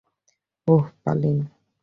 ওহ, Pauline.